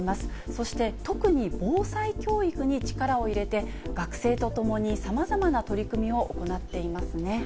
そしてとくに防災教育に力を入れて、学生とともにさまざまな取り組みを行っていますね。